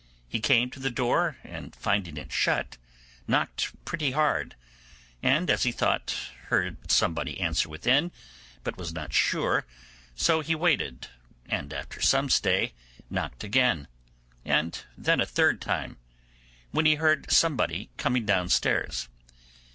He came to the door, and finding it shut, knocked pretty hard; and, as he thought, heard somebody answer within, but was not sure, so he waited, and after some stay knocked again, and then a third time, when he heard somebody coming downstairs.